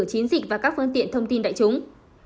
chiến dịch và các phương tiện thông tin đại chúng